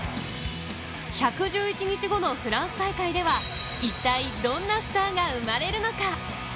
１１１日後のフランス大会では、一体、どんなスターが生まれるのか？